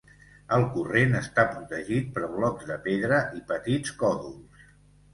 El corrent està protegit per blocs de pedra i petits còdols.